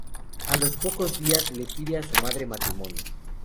A los pocos días la pide a su madre en matrimonio.